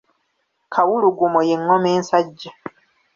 Kawulugumo ye ngoma ensajja .